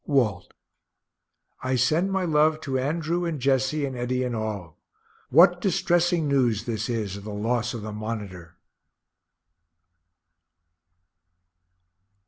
WALT. I send my love to Andrew and Jesse and Eddy and all. What distressing news this is of the loss of the Monitor.